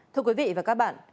thưa quý vị và các bạn